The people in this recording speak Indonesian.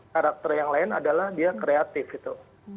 karakter yang lain adalah dia kreatif gitu